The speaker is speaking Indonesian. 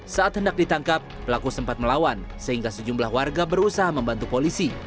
saat hendak ditangkap pelaku sempat melawan sehingga sejumlah warga berusaha membantu polisi